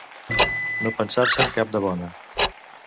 No pensar-se'n cap de bona.